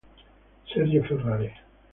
Sergio Ferrari